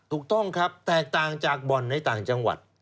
ถูกต้องครับแตกต่างจากบ่อนในต่างจังหวัด